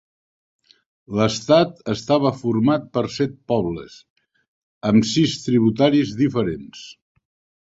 L'estat estava format per set pobles, amb sis tributaris diferents.